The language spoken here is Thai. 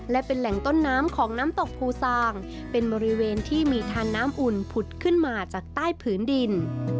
และเป็นแหล่งต้นน้ำของน้ำตกภูซางเป็นบริเวณที่มีทานน้ำอุ่นผุดขึ้นมาจากใต้ผืนดิน